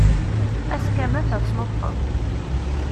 Ass kamel d asnuffeẓ.